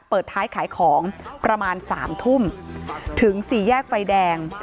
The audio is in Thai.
เปิดท้ายขายของประมาณ๓ทุ่มถึงสี่แยกไฟแดง